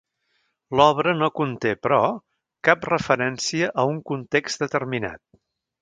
L'obra no conté, però, cap referència a un context determinat.